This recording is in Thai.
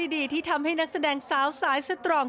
ดีที่ทำให้นักแสดงสาวสายสตรอง